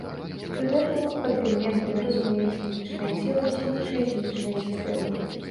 Пры гэтым пад элементамі разумеюць фізічныя целы ці іншыя фізічныя сістэмы.